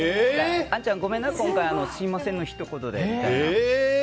あんちゃんごめんなすみませんのひと言でみたいな。